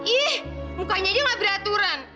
ih mukanya aja gak beraturan